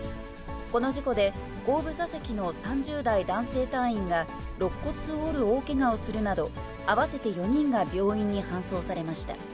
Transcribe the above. この事故で、後部座席の３０代男性隊員がろっ骨を折る大けがをするなど、合わせて４人が病院に搬送されました。